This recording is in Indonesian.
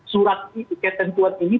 surat ketentuan ini